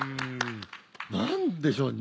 何でしょうね